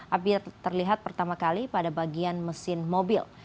api terlihat pertama kali pada bagian mesin mobil